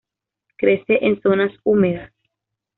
Crece en zonas húmedas.